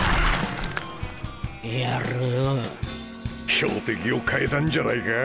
標的を変えたんじゃないか？